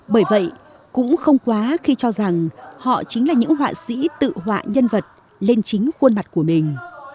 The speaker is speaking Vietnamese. bởi vậy cũng không quá khi cho rằng họ chính là những họa sĩ tự họa nhân vật lên chính khuôn mặt của mình